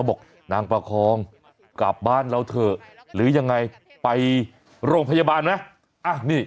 บอกนางประคองกลับบ้านเราเถอะหรือยังไงไปโรงพยาบาลไหม